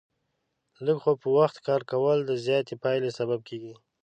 لږ خو په وخت کار کول، د زیاتې پایلې سبب کېږي.